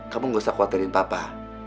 kamu gak usah khawatirin papa